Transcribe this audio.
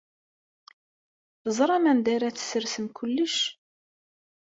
Teẓram anda ara tessersem kullec?